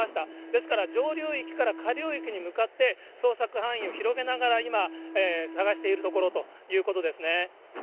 ですから上流域から下流域に向かって、捜索範囲を広げながら、今、捜しているところということですね。